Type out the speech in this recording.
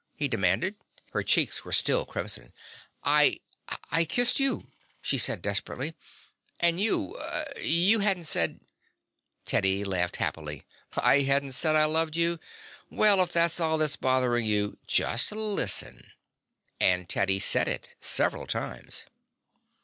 he demanded. Her cheeks were still crimson. "I I kissed you," she said desperately, "and you you hadn't said " Teddy laughed happily. "I hadn't said I loved you? Well, if that's all that's bothering you, just listen." And Teddy said it several times.